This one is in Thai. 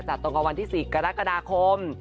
จัดตรงวันที่๔กรกฎาคม